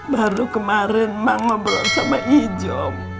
baru kemarin mak ngobrol sama ijom